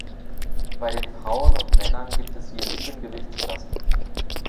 Bei den Frauen und Männern gibt es je sieben Gewichtsklassen.